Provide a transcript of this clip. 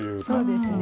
そうですね。